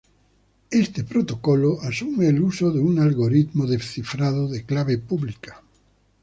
Este protocolo asume el uso de un algoritmo de cifrado de clave pública.